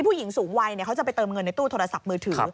ผู้หญิงสูงวัยเขาจะไปเติมเงินในตู้โทรศัพท์มือถือ